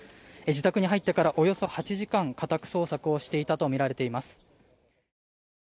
自宅に入ってからおよそ８時間家宅捜索をしていたとみられています。